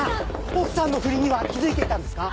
奥さんの不倫には気付いていたんですか？